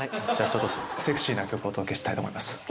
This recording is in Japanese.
じゃあちょっとセクシーな曲をお届けしたいと思います。